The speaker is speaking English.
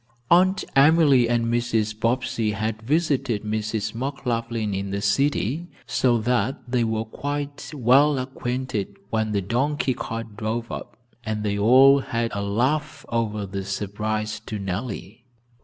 Aunt Emily and Mrs. Bobbsey had visited Mrs. McLaughlin in the city, so that they were quite well acquainted when the donkey cart drove up, and they all had a laugh over the surprise to Nellie.